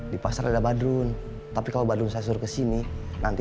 di pasar ada badrun tapi kalau badrun saya suruh kesini nanti di pasar kosong